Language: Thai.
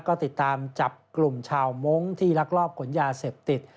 ก็ติดตามจับกลุ่มชาวมงค์ที่ลักลอบขนยาเสพติด